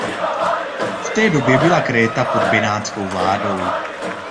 V té době byla Kréta pod benátskou vládou.